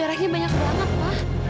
ya darahnya banyak banget pak